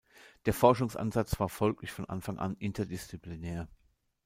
Der Forschungsansatz war folglich von Anfang an interdisziplinär.